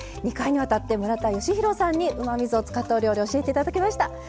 ２回にわたって村田吉弘さんにうまみ酢を使ったお料理教えて頂きました。